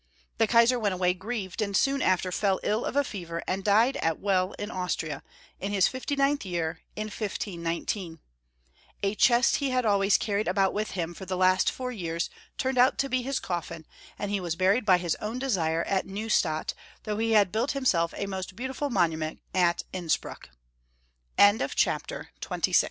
The Kaisar went away grieved, and soon after fell ill of a fever, and died at Well in Austria, in his fifty ninth year, in 1519. A chest he had always Maximilian. 269 carried about with him for the last four years tuiiied out to be his coffin, and he was buried by his own desii e at Neustadt, though he had built himself a moat beautifid mouumeut at luuspni